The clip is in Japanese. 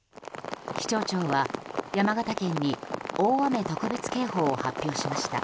気象庁は山形県に大雨特別警報を発表しました。